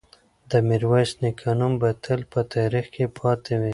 د میرویس نیکه نوم به تل په تاریخ کې پاتې وي.